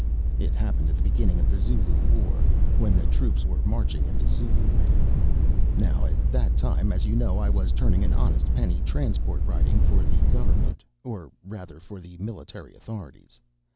It happened at the beginning of the Zulu War, when the troops were marching into Zululand. Now at that time, as you know, I was turning an honest penny transport riding for the Government, or rather for the military authorities.